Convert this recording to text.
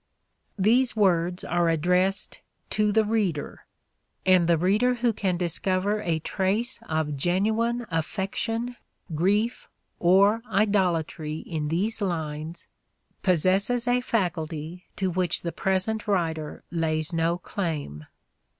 These words are addressed " To the Reader "; and the reader who can discover a trace of genuine affection, grief, or "idolatry" in these lines possesses a faculty to which the present writer lays no claim.